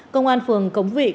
công an phường cống viện